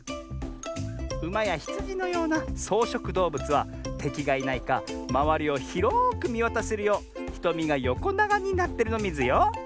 ウマやヒツジのようなそうしょくどうぶつはてきがいないかまわりをひろくみわたせるようひとみがよこながになってるのミズよ。